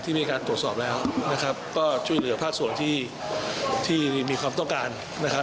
มีการตรวจสอบแล้วนะครับก็ช่วยเหลือภาคส่วนที่ที่มีความต้องการนะครับ